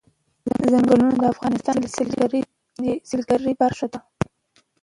ځنګلونه د افغانستان د سیلګرۍ برخه ده.